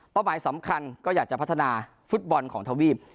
หมายสำคัญก็อยากจะพัฒนาฟุตบอลของทวีป